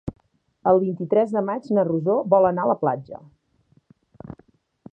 El vint-i-tres de maig na Rosó vol anar a la platja.